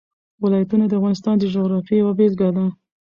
ولایتونه د افغانستان د جغرافیې یوه بېلګه ده.